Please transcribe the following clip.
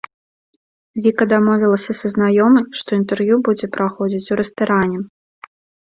Віка дамовілася са знаёмай, што інтэрв'ю будзе праходзіць у рэстаране.